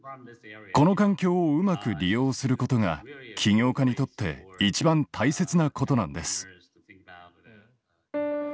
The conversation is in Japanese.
この環境をうまく利用することが起業家にとって一番大切なことなんです。